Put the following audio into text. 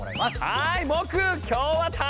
はい！